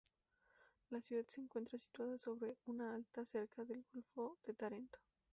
La ciudad se encuentra situada sobre una altura cerca del golfo de Tarento.